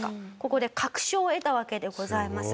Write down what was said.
ここで確証を得たわけでございます。